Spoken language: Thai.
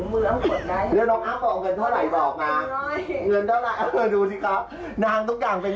มีคนถามเยอะมากว่าเมื่อไหร่พี่อ้ำจะเลิกตั้งเป็นไพรเวททักทีในอินสตาร์ทแก่ม